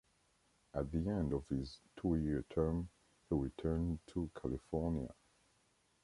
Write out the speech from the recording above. At the end of his two-year term, he returned to California.